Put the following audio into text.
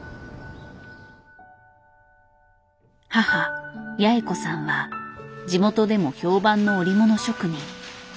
母八重子さんは地元でも評判の織物職人。